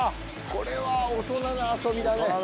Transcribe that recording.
これは大人の遊びだね